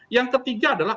yang ketiga adalah